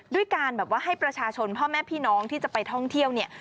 ด้วยการแบบว่าให้ประชาชนพ่อแม่พี่น้องที่จะไปท่องเที่ยวเนี่ย